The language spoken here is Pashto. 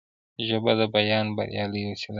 ژبه د بیان بریالۍ وسیله ده